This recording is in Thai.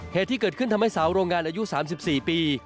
เหตุที่เกิดขึ้นทำให้สาวโรงงานอายุ๓๔ปี